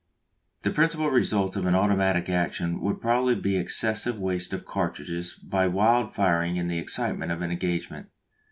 The principal result of automatic action would probably be excessive waste of cartridges by wild firing in the excitement of an engagement.